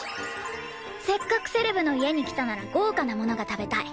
せっかくセレブの家に来たなら豪華なものが食べたい。